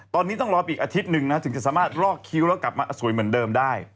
ตอนนี้ต้องรอไปอีกอาทิตย์หนึ่งนะถึงจะสามารถลอกคิ้วแล้วกลับมาสวยเหมือนเดิมได้